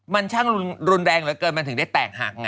มันช่างรุนแรงเหลือเกินมันถึงได้แตกหักไง